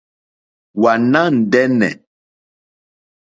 Wàná ndɛ́nɛ̀.